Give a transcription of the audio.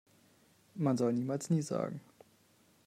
Man soll niemals nie sagen.